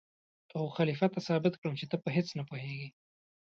او خلیفه ته ثابت کړم چې ته په هېڅ نه پوهېږې.